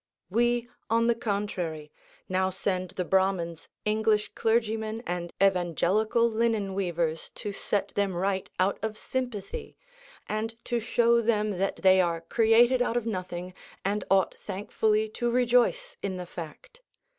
We, on the contrary, now send the Brahmans English clergymen and evangelical linen weavers to set them right out of sympathy, and to show them that they are created out of nothing, and ought thankfully to rejoice in the fact.